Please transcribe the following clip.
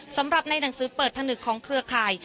สำหรับในหนังสือเปิดผนึกของเครือข่าย